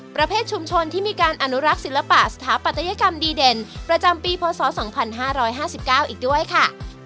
ประเภทชุมชนที่มีการอนุรักษ์ศิลปะสถาปัตยกรรมดีเด่นประจำปีพศ๒๕๕๙อีกด้วยค่ะ